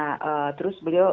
nah terus beliau